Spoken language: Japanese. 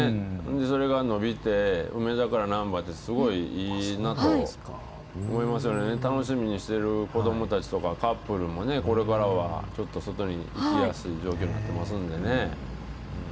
それが延びて、梅田から難波って、すごいいいなと思いますよね、楽しみにしてる子どもたちとか、カップルもね、これからはちょっと外に行きやすい状況になってますんでね。